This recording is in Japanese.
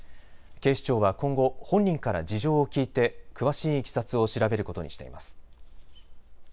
警視庁は今後、本人から事情を聴いて詳しいいきさつを調べることにしています。